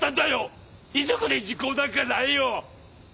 遺族に時効なんかないよ！